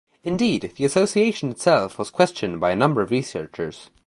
Indeed, the association itself was questioned by a number of researchers.